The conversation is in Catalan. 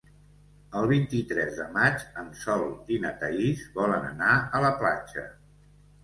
El vint-i-tres de maig en Sol i na Thaís volen anar a la platja.